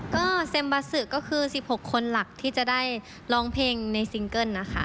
ก็เซมบาสึกก็คือ๑๖คนหลักที่จะได้ร้องเพลงในซิงเกิ้ลนะคะ